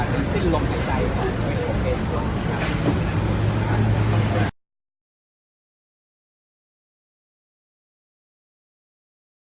ดินสิทธิ์ลงใหม่ใจของเวทย์โครเมนต์ด้วย